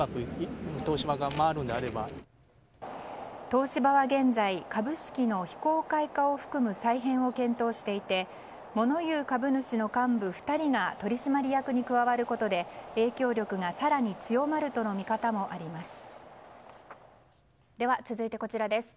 東芝は現在、株式の非公開化を含む再編を検討していてモノ言う株主の幹部２人が取締役に加わることで影響力が更に強まるとの見方もあります。